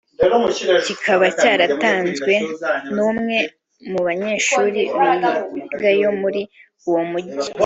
kikaba cyaratanzwe n’umwe mu banyeshuli bigayo muri uwo Mujyi